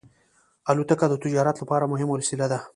الوتکه د تجارت لپاره مهمه وسیله ده.